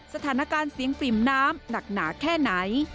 สถานการณ์เสียงปริ่มน้ำหนักหนาแค่ไหน